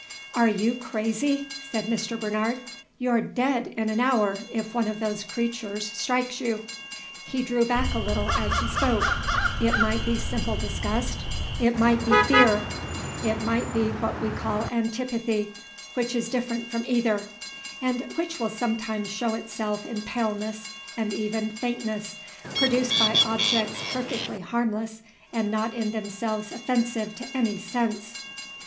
"Are you crazy?" said Mr. Bernard. "You're dead in an hour, if one of those creatures strikes you!" He drew back a little, as he spoke; it might be simple disgust; it might be fear; it might be what we call antipathy, which is different from either, and which will sometimes show itself in paleness, and even faintness, produced by objects perfectly harmless and not in themselves offensive to any sense.